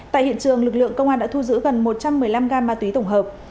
tại hiện trường lực lượng công an đã thu giữ gần một trăm một mươi năm gam ma túy tổng hợp